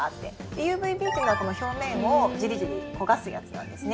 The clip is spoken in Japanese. ＵＶＢっていうのは表面をジリジリ焦がすやつなんですね。